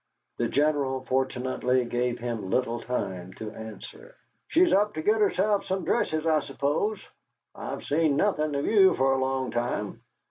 The General fortunately gave him little time to answer. "She's up to get herself some dresses, I suppose? I've seen nothing of you for a long time.